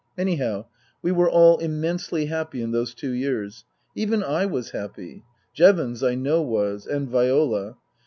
Anyhow, we were all immensely happy in those two years ; even I was happy. Jevons I know was and Viola.